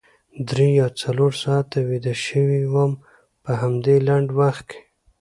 درې یا څلور ساعته ویده شوې وم په همدې لنډ وخت کې.